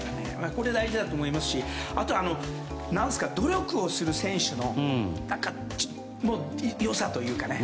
これは大事だと思いますしあとは努力をする選手の良さというかね